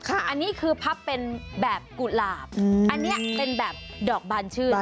อันนี้คือพับเป็นแบบกุหลาบอันนี้เป็นแบบดอกบานชื่น